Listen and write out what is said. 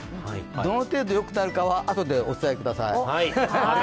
どの程度良くなるかはあとでお伝えください。